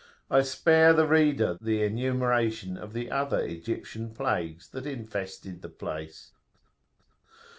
I spare the reader the enumeration of the other Egyptian plagues that infested the place.